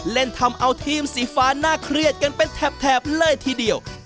เล่นทำเอาทีมสีฟ้าน่าเครียดกันเป็นแถบเลยทีเดียว